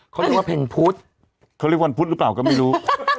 เขาเรียกว่าเพลงพุธเขาเรียกวันพุธหรือเปล่าก็ไม่รู้